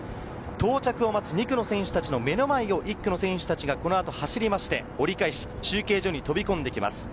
到着を待つ２区の選手たちの目の前を１区の選手たちがこの後に走りまして、折り返し中継所に飛び込んできます。